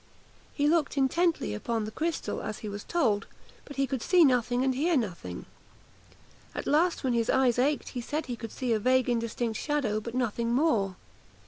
He looked intently upon the crystal as he was told; but could see nothing and hear nothing. At last, when his eyes ached, he said he could see a vague indistinct shadow, but nothing more.